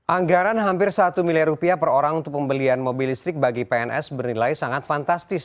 anggaran hampir satu miliar rupiah per orang untuk pembelian mobil listrik bagi pns bernilai sangat fantastis